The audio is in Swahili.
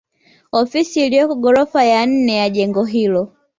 Ofisi iliyoko ghorofa ya nne ya jengo hilo